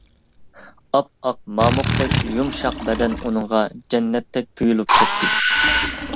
ئاپئاق مامۇقتەك يۇمشاق بەدەن ئۇنىڭغا جەننەتتەك تۇيۇلۇپ كەتتى.